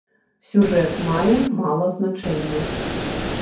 Сюжэт мае мала значэння.